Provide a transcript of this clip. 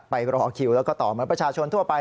รอคิวแล้วก็ต่อเหมือนประชาชนทั่วไป